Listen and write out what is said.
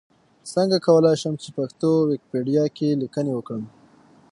څنګه کولای شم چې پښتو ويکيپېډيا کې ليکنې وکړم؟